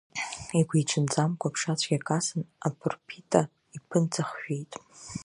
Игәиҽанӡамкәа ԥшацәгьак асын, аԥырԥита иԥынҵа хжәеит.